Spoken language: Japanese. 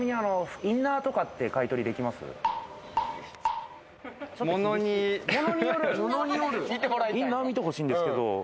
インナー見てほしいんですけど。